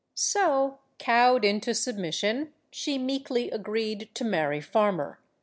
So, cowed into submission, she meekly agreed to marry Farmer.